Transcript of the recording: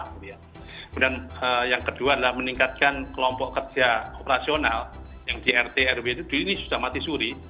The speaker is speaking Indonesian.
kemudian yang kedua adalah meningkatkan kelompok kerja operasional yang di rt rw itu dulu ini sudah mati suri